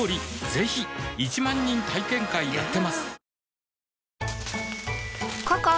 ぜひ１万人体験会やってますはぁ。